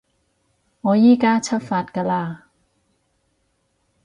我依加出發㗎喇